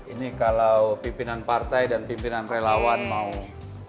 ini kalau pimpinan partai dan pimpinan relawan mau